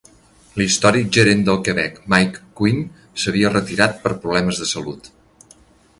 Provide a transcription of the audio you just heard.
L'històric gerent del Quebec Mike Quinn s'havia retirat per problemes de salut.